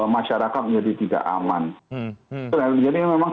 masyarakat menjadi tidak aman jadi memang sebenarnya itu memang tidak terlalu segala